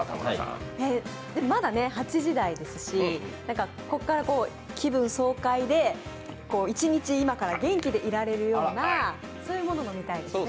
まだ８時台ですしここから気分爽快で一日今から元気でいられるような、そういうものを飲みたいですね。